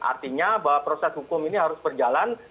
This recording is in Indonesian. artinya bahwa proses hukum ini harus berjalan